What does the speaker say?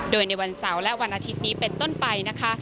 โดยในวันเสาร์และวันอาทิตย์นี้เป็นต้นไปนะคะ